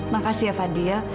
makasih ya fadil